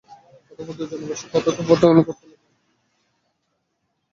অতঃপর দুজনে বসে কথোপকথন করতে লাগলেন।